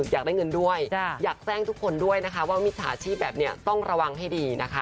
อยากแจ้งทุกคนว่ามิจฉาชีพแบบนี้ต้องระวังให้ดี